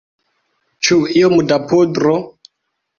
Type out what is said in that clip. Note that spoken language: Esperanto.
Ĉu iom da pudro?